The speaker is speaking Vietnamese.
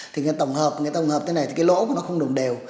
thì cái tổng hợp thế này thì cái lỗ của nó không đồng đều